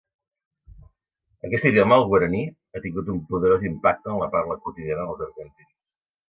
Aquest idioma, el guaraní, ha tingut un poderós impacte en la parla quotidiana dels argentins.